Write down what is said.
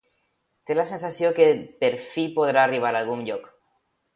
Té la sensació que per fi podrà arribar a algun lloc.